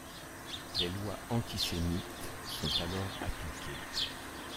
Les lois antisémites sont alors appliquées.